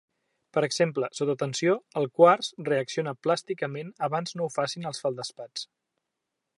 Per exemple, sota tensió, el quars reacciona plàsticament abans no ho facin els feldespats.